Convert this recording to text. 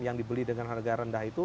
yang dibeli dengan harga rendah itu